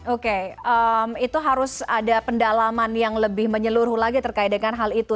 oke itu harus ada pendalaman yang lebih menyeluruh lagi terkait dengan hal itu